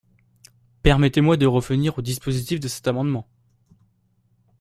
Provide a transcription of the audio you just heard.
Permettez-moi de revenir au dispositif de cet amendement.